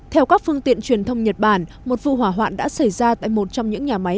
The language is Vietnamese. theo các phương tiện truyền thông nhật bản một vụ hỏa hoạn đã xảy ra tại một trong những nhà máy